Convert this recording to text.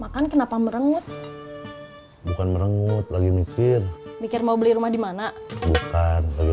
makan kenapa merengut bukan merenggut lagi mikir mikir mau beli rumah dimana bukan lagi